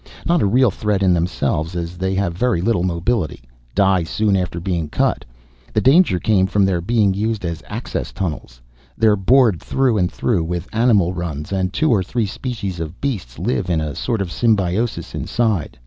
Not a real threat in themselves as they have very little mobility. Die soon after being cut. The danger came from their being used as access tunnels. They're bored through and through with animal runs, and two or three species of beasts live in a sort of symbiosis inside.